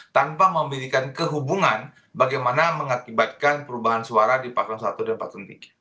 tanpa memiliki kehubungan bagaimana mengakibatkan perubahan suara di paslon satu dan paslon tiga